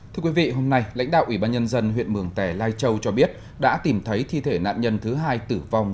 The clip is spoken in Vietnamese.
thưa quý vị hôm nay lãnh đạo ủy ban nhân dân huyện mường tẻ lai châu cho biết đã tìm thấy thi thể nạn nhân thứ hai tử vong